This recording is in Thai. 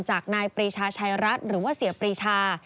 จากนายปรีชาชัยรัฐหรือว่าเสียปรีชา